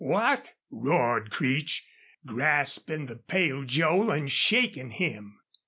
"What?" roared Creech, grasping the pale Joel and shaking him.